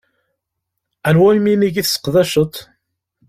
Anwa iminig i tseqdaceḍ?